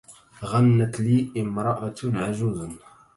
غنت لي امراة عجوز.